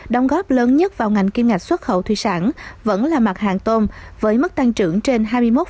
đóng góp lớn nhất vào ngành kim ngạch xuất khẩu thủy sản vẫn là mặt hàng tôm với mức tăng trưởng trên hai mươi một